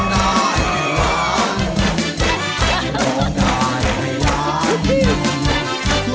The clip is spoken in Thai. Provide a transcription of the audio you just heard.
คุณพนธ์